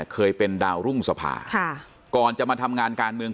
เคยเป็นดาวรุ่งสภาค่ะก่อนจะมาทำงานการเมือง